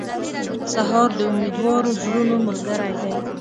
سهار د امیدوارو زړونو ملګری دی.